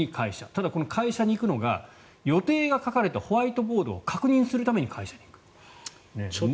ただ、この会社に行くのが予定が書かれたホワイトボードを確認するために会社に行く。